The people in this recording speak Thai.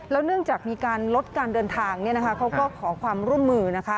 เนื่องจากมีการลดการเดินทางเขาก็ขอความร่วมมือนะคะ